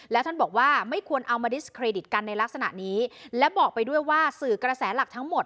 แล้วท่านบอกว่าไม่ควรเอามาดิสเครดิตกันในลักษณะนี้และบอกไปด้วยว่าสื่อกระแสหลักทั้งหมด